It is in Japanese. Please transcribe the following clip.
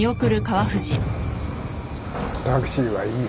タクシーはいいよ。